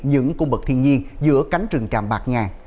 những cung bậc thiên nhiên giữa cánh rừng tràm bạc ngàn